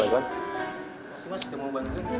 masih masih temu bangkit